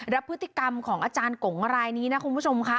แล้วพฤติกรรมของอาจารย์กงรายนี้นะคุณผู้ชมค่ะ